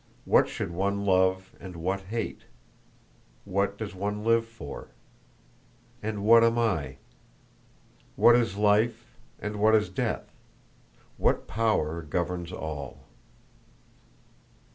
What should one love and what hate? What does one live for? And what am I? What is life, and what is death? What power governs all?"